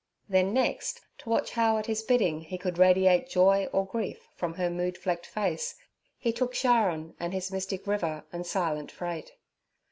Then next, to watch how at his bidding he could radiate joy or grief from her mood flecked face, he took Charon and his mystic river and silent freight.